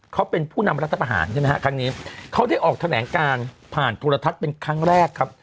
เขาเป็นผู้นำรัฐประหารใช่ไหมฮะครั้งนี้เขาได้ออกแถลงการผ่านโทรทัศน์เป็นครั้งแรกครับ